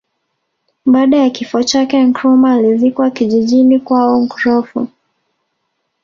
Baada ya kifo chake Nkrumah alizikwa kijijini kwao Nkrofu